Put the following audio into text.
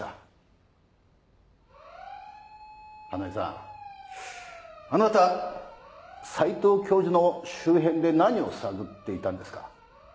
花井さんあなた斎藤教授の周辺で何を探っていたんですか？